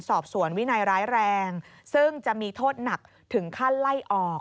สอบสวนวินัยร้ายแรงซึ่งจะมีโทษหนักถึงขั้นไล่ออก